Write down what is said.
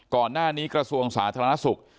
ก่อนหน้านี้กระทรวงสาธารณสุข